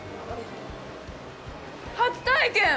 初体験！